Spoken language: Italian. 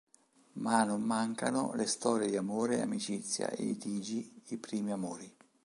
Ma non mancano le storie di amore e amicizia,i litigi,i primi amori...